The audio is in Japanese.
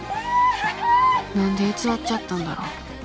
何で偽っちゃったんだろう。